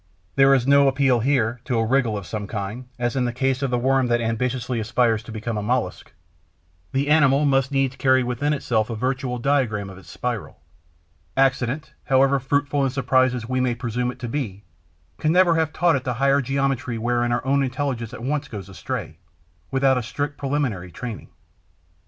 There is no appeal here to a wriggle of some kind, as in the case of the Worm that ambitiously aspires to become a Mollusc. The animal must needs carry within itself a virtual diagram of its spiral. Accident, however fruitful in surprises we may presume it to be, can never have taught it the higher geometry wherein our own intelligence at once goes astray, without a strict preliminary training.